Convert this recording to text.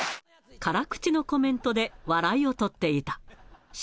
辛口のコメントで笑いを取っていた。